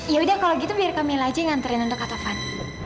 ya udah kalau gitu biar kak mila aja yang nganterin untuk kak taufan